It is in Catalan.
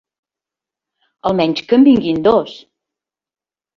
Almenys que en vinguin dos.